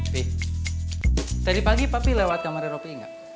pi tadi pagi pak pi lewat kamarnya ropi enggak